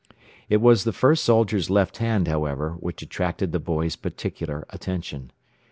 It was the first soldier's left hand, however, which attracted the boys' particular attention.